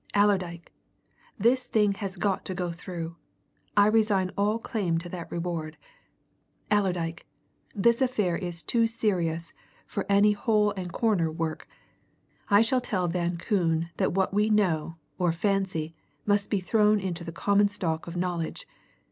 "Allerdyke this thing has got to go through! I resign all claim to that reward. Allerdyke! this affair is too serious for any hole and corner work. I shall tell Van Koon that what we know, or fancy, must be thrown into the common stock of knowledge!